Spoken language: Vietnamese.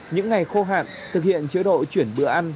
những ngày khô hạn thực hiện chế độ chuyển bữa ăn